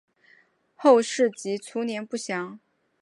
后事及卒年不详。